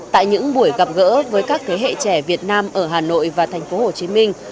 tại những buổi gặp gỡ với các thế hệ trẻ việt nam ở hà nội và thành phố hồ chí minh